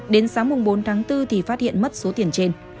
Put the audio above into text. đến sáng bốn tháng bốn thì phát hiện mất số tiền trên